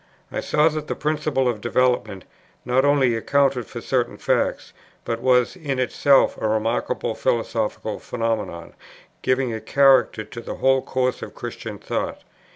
I saw that the principle of development not only accounted for certain facts, but was in itself a remarkable philosophical phenomenon, giving a character to the whole course of Christian thought.